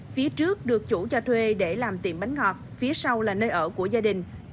phía trước được chủ cho thuê để làm tiệm bánh ngọt phía sau là nơi ở của gia đình